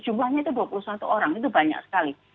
jumlahnya itu dua puluh satu orang itu banyak sekali